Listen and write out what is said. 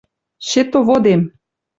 Счетоводем